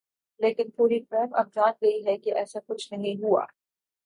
لیکن پوری قوم اب جان گئی ہے کہ ایسا کچھ نہیں ہوا۔